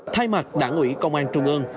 thay mặt đảng ủy công an trung ương